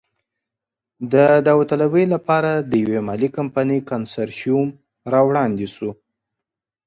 د داوطلبۍ لپاره د یوې مالي کمپنۍ کنسرشیوم را وړاندې شو.